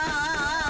nah ini sudah hilang